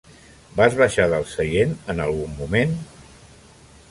Vas baixar del seient en algun moment?